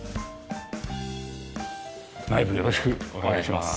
内部よろしくお願いします。